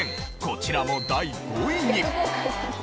こちらも第５位に。